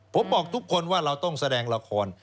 ผมบอกทุกคนว่าเราต้องแสดงละคร